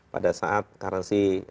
pada saat karansi